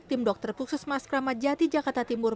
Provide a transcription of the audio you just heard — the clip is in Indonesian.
tim dokter khusus mas kramat jati jakarta timur